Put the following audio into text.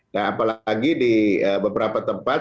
nah apalagi di beberapa tempat